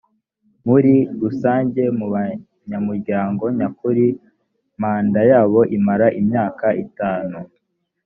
muri rusange mu banyamuryango nyakuri manda yabo imanra imyaka itanu